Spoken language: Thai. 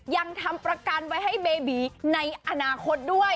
ยังทำประกันไว้ให้เบบีในอนาคตด้วย